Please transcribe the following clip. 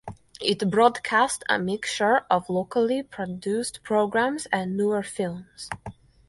It broadcast a mixture of locally produced programmes and newer films.